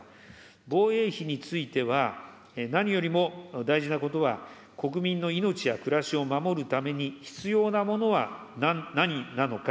防衛費については、何よりも大事なことは、国民の命や暮らしを守るために必要なものは何なのか。